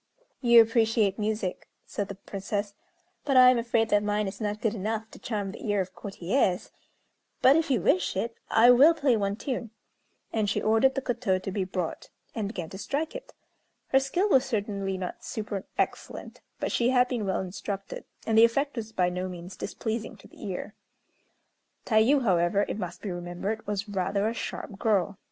"You appreciate music," said the Princess; "but I am afraid that mine is not good enough to charm the ear of courtiers; but, if you wish it, I will play one tune." And she ordered the koto to be brought, and began to strike it. Her skill was certainly not super excellent; but she had been well instructed, and the effect was by no means displeasing to the ear. Tayû, however, it must be remembered, was rather a sharp girl.